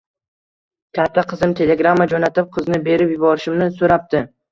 Katta qizim telegramma jo`natib, qizini berib yuborishimni so`rabdi